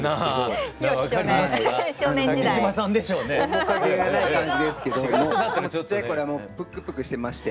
面影がない感じですけどちっちゃい頃はプクプクしてまして。